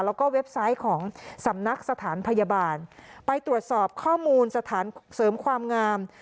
แล้วก็เว็บไซต์ของสำนักสถานพยาบาลไปตรวจสอบข้อมูลสถานเสริมความงาม